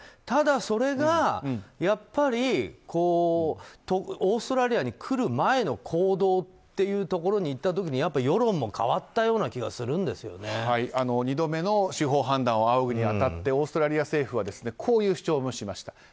ただ、それがオーストラリアに来る前の行動となった時に世論も変わったような気が２度目の司法判断を仰ぐに当たってオーストラリア政府はこういう主張もしました。